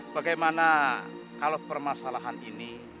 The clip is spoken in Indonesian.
bagaimana kalau permasalahan ini